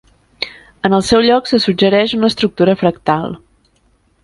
En el seu lloc, se suggereix una estructura fractal.